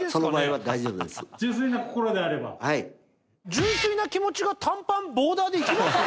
純粋な気持ちが短パンボーダーで行きます？